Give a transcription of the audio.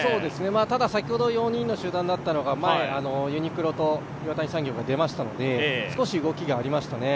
ただ、先ほど４人の集団だったのがユニクロと岩谷産業が出ましたので、少し動きがありましたね。